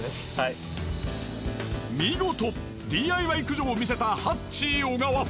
見事ＤＩＹ駆除を見せたハッチー小川。